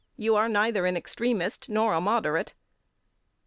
You are neither an extremist nor a moderate.